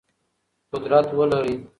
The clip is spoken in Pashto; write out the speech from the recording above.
قدرت ولرئ.